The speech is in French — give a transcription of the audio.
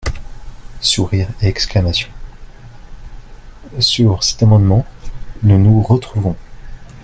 (Sourires et exclamations.) Sur cet amendement, nous nous retrouvons.